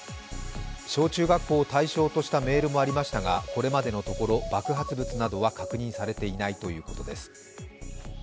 小中学校を対象としたメールもありましたが、これまでのところ爆発物などは確認されていないということです。